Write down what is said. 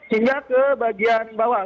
api menjalar ke bagian bawah